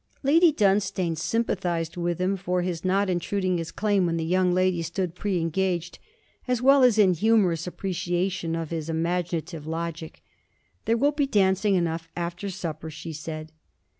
Lady Dunstane sympathized with him for his not intruding his claim when the young lady stood pre engaged, as well as in humorous appreciation of his imaginative logic. 'There will be dancing enough after supper,' she said.